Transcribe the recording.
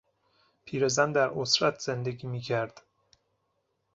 پیرزن در عسرت زندگی میکرد.